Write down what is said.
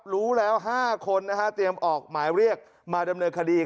รู้แล้วห้าคนนะฮะเตรียมออกหมายเรียกมาดำเนินคดีครับ